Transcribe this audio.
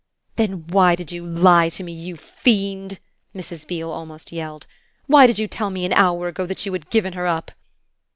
"Then why did you lie to me, you fiend?" Mrs. Beale almost yelled. "Why did you tell me an hour ago that you had given her up?"